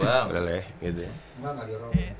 gimana gak ada orang